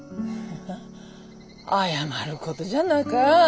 謝ることじゃなか。